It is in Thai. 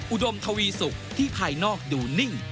อุดมทวีสุกที่ภายนอกดูนิ่ง